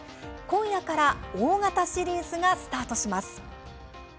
今夜から大型シリーズがスタートします。